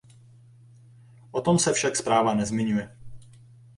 O tom se však zpráva nezmiňuje.